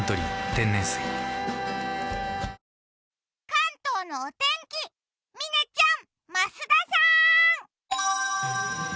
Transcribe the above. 関東のお天気、嶺ちゃん、増田さん！